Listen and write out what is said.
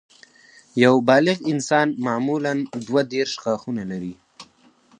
یو بالغ انسان معمولاً دوه دیرش غاښونه لري